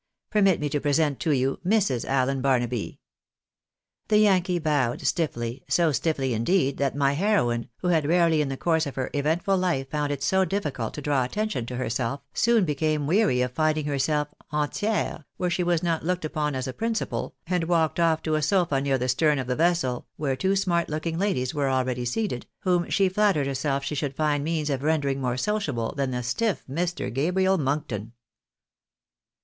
Permit me to present to you Mrs. AUen Barnaby." The Yankee bowed stiffly, so stiffly, indeed, that my heroine, who had rarely in the course of her eventful hfe found it so diffi cult to draw attention to herself, soon became weary of finding herself en tiers where she was not looked upon as a principal, and walked off to a sofa near the stern of the vessel, where two smart looking ladies were already seated, whom she flattered herself she should find means of rendering more sociable than the stiff Mr. Gabriel Monkton.